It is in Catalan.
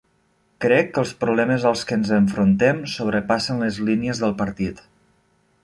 Crec que els problemes als que ens enfrontem sobrepassen les línies del partit.